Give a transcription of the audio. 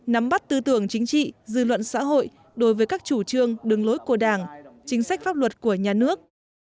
nắm bắt tư tưởng chính trị dư luận xã hội đối với các chủ trương đường lối của đảng chính sách pháp luật của nhà nước